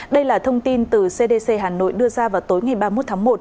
đây là thông tin từ cdc hà nội đưa ra vào tối ngày ba mươi một tháng một